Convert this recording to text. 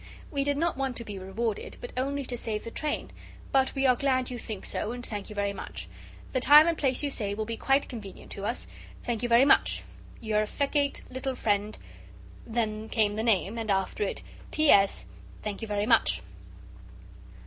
We did not want to be rewarded but only to save the train, but we are glad you think so and thank you very much. The time and place you say will be quite convenient to us. Thank you very much. "Your affecate little friend," Then came the name, and after it: "P.S. Thank you very much."